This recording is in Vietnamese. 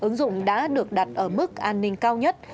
ứng dụng đã được đặt ở mức an ninh cao nhất